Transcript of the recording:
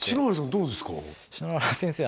どうですか？